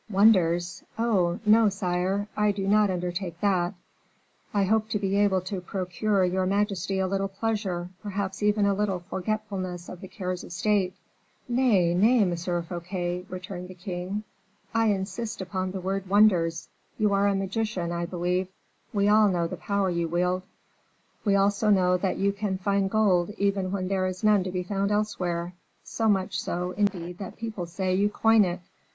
"Wonders? Oh! no, sire. I do not undertake that. I hope to be able to procure your majesty a little pleasure, perhaps even a little forgetfulness of the cares of state." "Nay, nay, M. Fouquet," returned the king; "I insist upon the word 'wonders.' You are a magician, I believe; we all know the power you wield; we also know that you can find gold even when there is none to be found elsewhere; so much so, indeed, that people say you coin it."